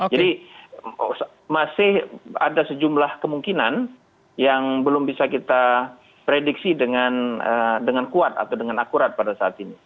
jadi masih ada sejumlah kemungkinan yang belum bisa kita prediksi dengan kuat atau dengan akurat pada saat ini